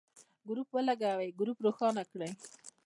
ګروپ ولګوئ ، ګروپ روښانه کړئ.